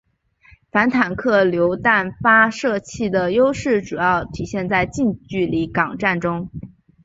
反坦克榴弹发射器的优势主要体现在近距离巷战中。